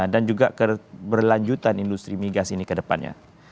dan juga keberlanjutan industri migas ini ke depannya